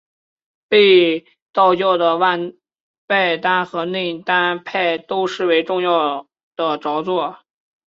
被道教的外丹和内丹派都视为重要的着作。